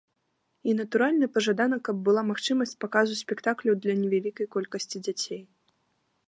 І, натуральна, пажадана, каб была магчымасць паказу спектакляў для невялікай колькасці дзяцей.